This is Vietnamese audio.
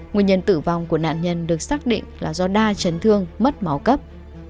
nguyên nhân tử vong của nạn nhân được xác định là do đa chấn thương mất máu cấp